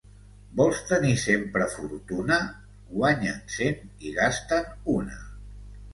Vols tenir sempre fortuna? Guanya'n cent i gasta'n una.